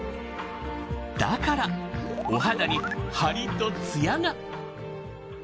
だからお肌にハリとツヤが。